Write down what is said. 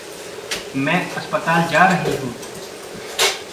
मैं अस्पताल जा रही हूँ।